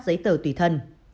giấy tờ tùy thân